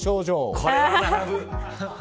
これは並ぶ。